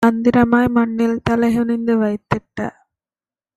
தந்திரமாய் மண்ணில் தலைகுனிந்து வைத்திட்ட